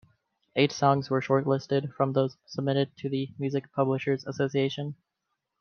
Eight songs were shortlisted from those submitted to the Music Publishers Association.